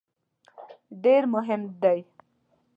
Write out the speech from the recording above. ډېر مهم دی.